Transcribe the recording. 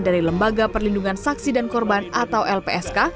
dari lembaga perlindungan saksi dan korban atau lpsk